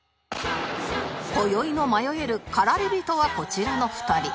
今宵の迷える駆られ人はこちらの２人